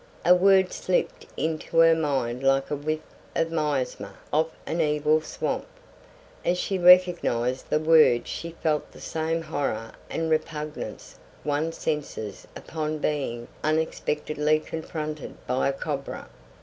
A word slipped into her mind like a whiff of miasma off an evil swamp. As she recognized the word she felt the same horror and repugnance one senses upon being unexpectedly confronted by a cobra.